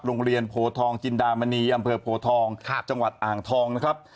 โพทองจินดามณีอำเภอโพทองจังหวัดอ่างทองนะครับ